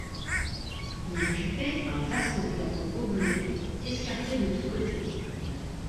Il occupait, un vaste plateau oblong, escarpé de tous côtés.